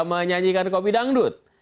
menyanyikan kopi dangdut